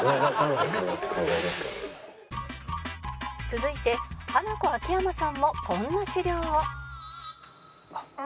続いてハナコ秋山さんもこんな治療を